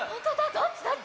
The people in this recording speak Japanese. どっちどっち？